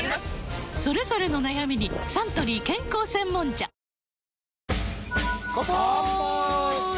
それぞれの悩みにサントリー健康専門茶カンパーイ！